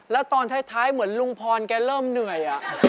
แล้วตอนท้ายเหมือนลุงพรแกเริ่มเหนื่อย